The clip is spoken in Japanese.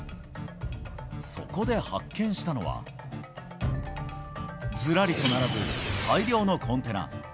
そこで発見したのは、ずらりと並ぶ大量のコンテナ。